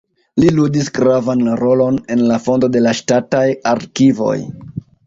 Li ludis gravan rolon en la fondo de la ŝtataj arkivoj.